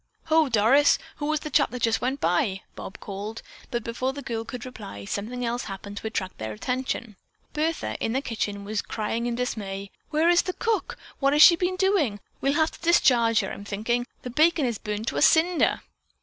"Ho, Doris, who was the chap that just went by?" Bob called—but before the girl could reply, something else happened to attract their attention. Bertha, in the kitchen, was crying in dismay: "Where is the cook? What has she been doing? We'll have to discharge her. I'm thinking. The bacon is burned to a cinder."